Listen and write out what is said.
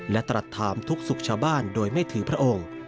และตรัสถามทุกสุขชาวบ้านโดยไม่ถือพระองค์